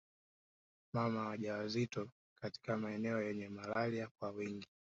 Mama wajawazito katika maeneo yenye malaria kwa wingi